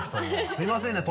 すみませんね。